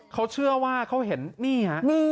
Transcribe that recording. เขาเชื่อว่าเขาเห็นนี่ฮะ